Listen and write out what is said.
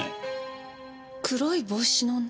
黒い帽子の女？